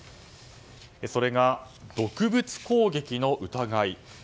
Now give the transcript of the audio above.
それが毒物攻撃の疑い。